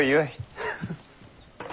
フフッ。